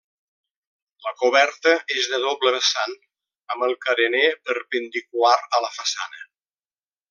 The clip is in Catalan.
La coberta és de doble vessant, amb el carener perpendicular a la façana.